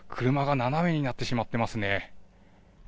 車が斜めになってしまっていますね。